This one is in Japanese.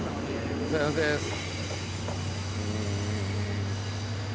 お疲れさまです。